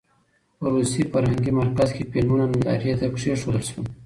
په روسي فرهنګي مرکز کې فلمونه نندارې ته کېښودل شول.